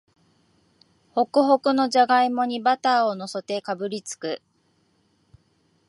ホクホクのじゃがいもにバターをのせてかぶりつく